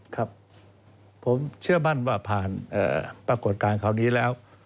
ครับผมเชื่อมั่นว่าผ่านปรากฏการณ์คราวนี้แล้ว